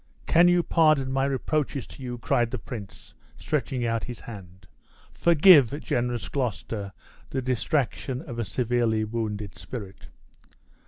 "Can you pardon my reproaches to you?" cried the prince, stretching out his hand. "Forgive, generous Gloucester, the distraction of a severely wounded spirit!"